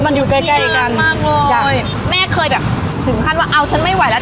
มันอยู่ใกล้ใกล้กันมากเลยใช่แม่เคยแบบถึงขั้นว่าเอาฉันไม่ไหวแล้ว